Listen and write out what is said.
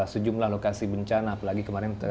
sejumlah lokasi bencana apalagi kemarin